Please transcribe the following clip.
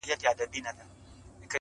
که مېرمني یې شپې ستړي په دُعا کړې،